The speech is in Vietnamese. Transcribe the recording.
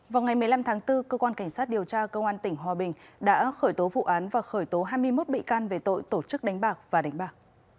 vào ngày một mươi năm tháng bốn cơ quan cảnh sát điều tra công an tỉnh hòa bình đã khởi tố vụ án và khởi tố hai mươi một bị can về tội tổ chức đánh bạc và đánh bạc